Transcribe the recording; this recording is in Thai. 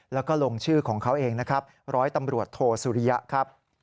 แล้วก็ลงชื่อของเขาเองนะครับร้อยตำรวจโทสุริยะครับ